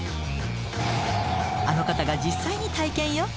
あの方が実際に体験よ。